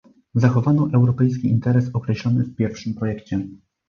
Zachowano europejski interes określony w pierwszym projekcie